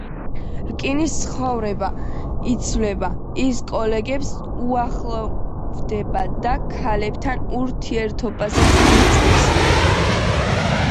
კრიკის ცხოვრება იცვლება, ის კოლეგებს უახლოვდება და ქალებთან ურთიერთობასაც კი იწყებს.